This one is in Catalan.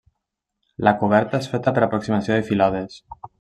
La coberta és feta per aproximació de filades.